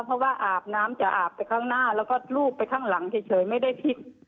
เพราะว่าอาบน้ำจะอาบไปข้างหน้าแล้วก็รูปไปข้างหลังเฉยไม่ได้คิด